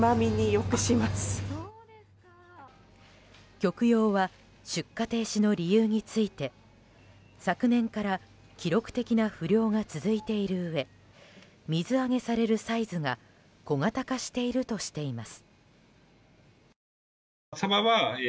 極洋は出荷停止の理由について昨年から記録的な不漁が続いているうえ水揚げされるサイズが小型化しているとしています。